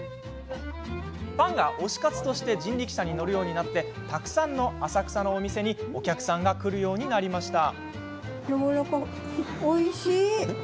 ファンが推し活として人力車に乗るようになりたくさんの浅草のお店にお客さんが来るようになりました。